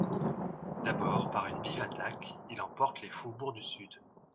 D'abord, par une vive attaque, il emporte les faubourgs du sud.